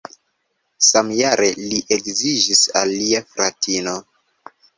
Samjare li edziĝis al lia fratino.